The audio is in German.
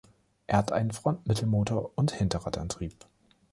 Es hat einen Frontmittelmotor und Hinterradantrieb.